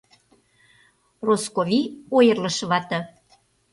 Росковий — ойырлышо вате.